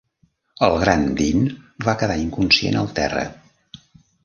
El gran Dean va quedar inconscient al terra.